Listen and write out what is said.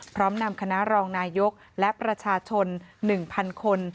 พร้อมนำคณะรองนายกและประชาชน๑๐๐๐คน